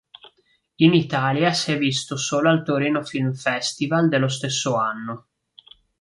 In Italia si è visto solo al Torino Film Festival dello stesso anno.